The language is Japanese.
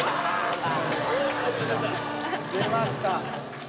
「出ました」